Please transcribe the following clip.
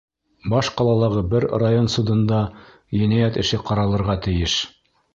Баш ҡалалағы бер район судында енәйәт эше ҡаралырға тейеш.